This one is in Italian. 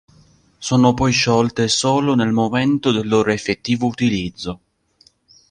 Sono poi "sciolte" solo nel momento del loro effettivo utilizzo.